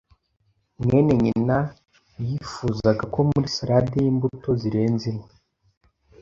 mwene nyina yifuzaga ko muri salade yimbuto zirenze imwe.